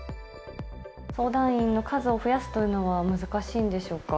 相談員の数を増やすというのは難しいんでしょうか？